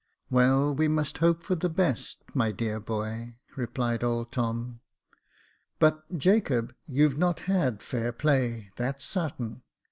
" Well, we must hope for the best, my dear boy," replied old Tom ;'* but, Jacob, you've not had fair play, that's sartain.